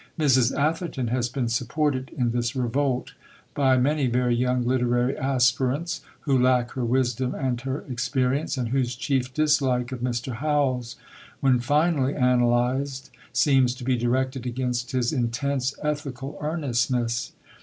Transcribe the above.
Mrs. Atherton has been supported in this revolt by many very young literary aspirants, who lack her wisdom and her experience, and whose chief dislike of Mr. Howells, when finally analysed, seems to be directed against his intense ethical earnestness.